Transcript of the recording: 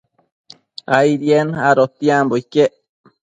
Aidien adotiambo iquec